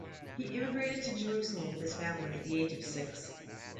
He immigrated to Jerusalem with his family at the age of six.